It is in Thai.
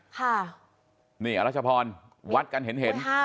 ค่ะนี่อรัชพรวัดกันเห็น